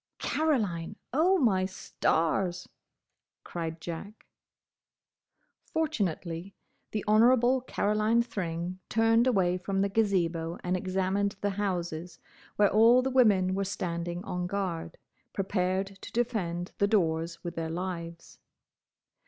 "Caroline! Oh, my stars!" cried Jack. Fortunately the Honourable Caroline Thring turned away from the Gazebo and examined the houses, where all the women were standing on guard, prepared to defend the doors with their lives.